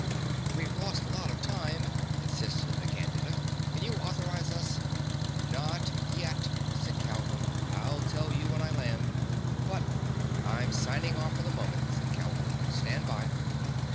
"We've lost a lot of time," insisted the Candida. "Can you authorize us—" "Not yet," said Calhoun. "I'll tell you when I land." "But—" "I'm signing off for the moment," said Calhoun. "Stand by."